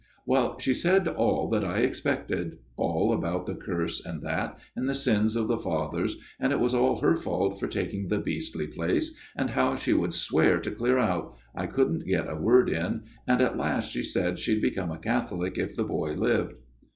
" Well, she said all that I expected all about the curse and that, and the sins of the fathers, and it was all her fault for taking the beastly place, and how she would swear to clear out I couldn't get a word in and at last she said she'd become a Catholic if the boy lived.